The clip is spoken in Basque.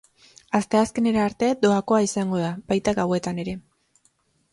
Asteazkenera arte doakoa izango da, baita gauetan ere.